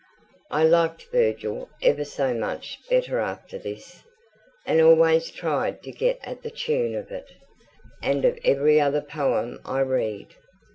I liked Virgil ever so much better after this, and always tried to get at the tune of it, and of every other poem I read.